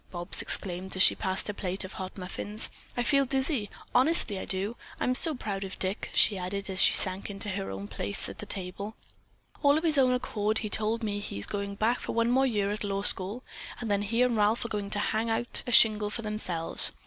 Bobs exclaimed as she passed a plate of hot muffins. "I feel dizzy, honestly I do! I'm so proud of Dick," she added as she sank into her own place at the table. "All of his own accord he told me that he's going back for one more year at law school and then he and Ralph are going to hang out a shingle for themselves.